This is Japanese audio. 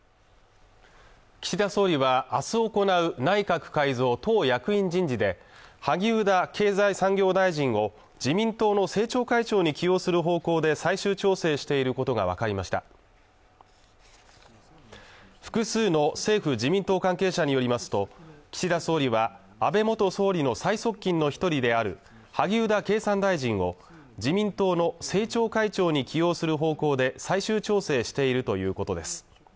岸田総理は明日行う内閣改造党役員人事で萩生田経済産業大臣を自民党の政調会長に起用する方向で最終調整していることが分かりました複数の政府・自民党関係者によりますと岸田総理は安倍元総理の最側近の一人である萩生田経産大臣を自民党の政調会長に起用する方向で最終調整しているということです